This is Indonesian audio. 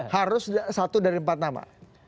harus satu dari empat nama